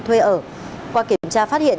thuê ở qua kiểm tra phát hiện